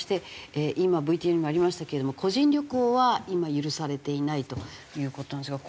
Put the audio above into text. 今ＶＴＲにもありましたけれども個人旅行は今許されていないという事なんですが。